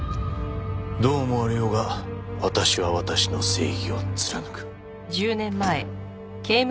どう思われようが私は私の正義を貫く。